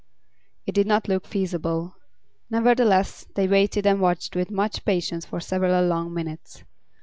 It did not look feasible. Nevertheless, they waited and watched with much patience for several long minutes.